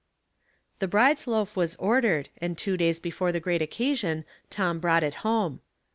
The bride's loaf was ordered, and two days before the great occasion Tom brought it home.